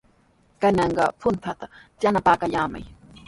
Kanan puntraw yanapaykallamay.